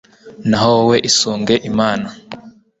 naho wowe, isunge imana